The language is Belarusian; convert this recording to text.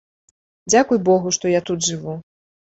Дзякуй богу, што я тут жыву.